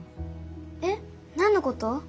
えっなんのこと？